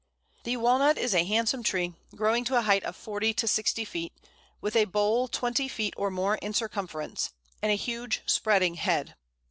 ] The Walnut is a handsome tree, growing to a height of forty to sixty feet, with a bole twenty feet or more in circumference, and a huge spreading head.